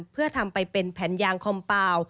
เพื่อทำไปเป็นแผ่นยางคอมเปล่า